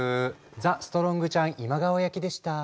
ザ・ストロングちゃん今川焼でした。